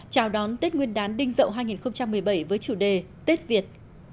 chào đón tết nguyên đán đinh dậu hai nghìn một mươi bảy với chủ đề tết việt